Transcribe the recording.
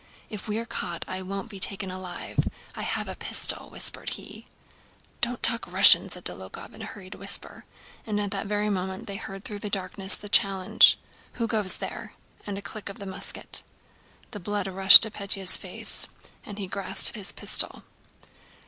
"If we're caught, I won't be taken alive! I have a pistol," whispered he. "Don't talk Russian," said Dólokhov in a hurried whisper, and at that very moment they heard through the darkness the challenge: "Qui vive?" * and the click of a musket. * "Who goes there?" The blood rushed to Pétya's face and he grasped his pistol.